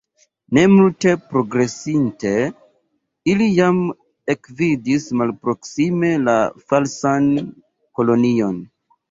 Ne multe progresinte, ili jam ekvidis malproksime la Falsan Kelonion.